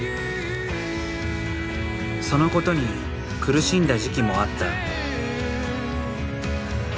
そのことに苦しんだ時期もあった。